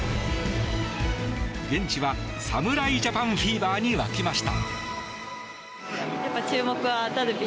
現地は侍ジャパンフィーバーに沸きました。